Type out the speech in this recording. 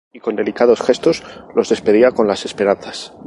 Y con delicados gestos, los despedía con las esperanzas.